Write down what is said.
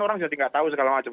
orang jadi nggak tahu segala macam